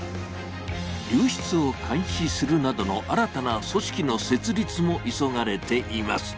流出を監視するなどの新たな組織の設立も急がれています。